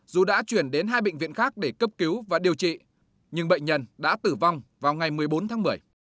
dù đã chuyển đến hai bệnh viện khác để cấp cứu và điều trị nhưng bệnh nhân đã tử vong vào ngày một mươi bốn tháng một mươi